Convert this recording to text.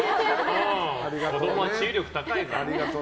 子供は治癒力高いから。